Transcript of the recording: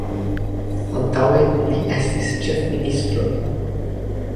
Antaŭe li estis ĉefministro.